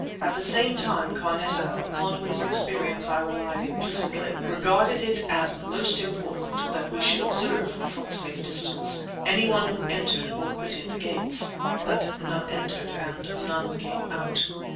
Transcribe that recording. At the same time, Carneta, upon whose experience I relied implicitly, regarded it as most important that we should observe (from a safe distance) any one who entered or quitted the gates. But none entered, and none came out.